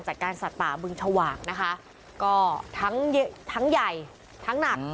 จัดการสัตว์ป่าเบื้องชว่างนะคะก็ทั้งเยอะทั้งใหญ่ทั้งหนัก